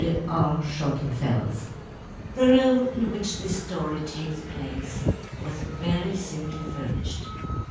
THE GOLD TREE The room in which this story takes place was very simply furnished.